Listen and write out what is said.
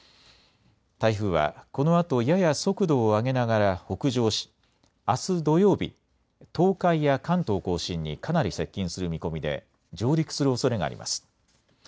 台風はこのあとやや速度を上げながら北上しあす土曜日、東海や関東甲信にかなり接近する見込みで上陸するおそれがあります。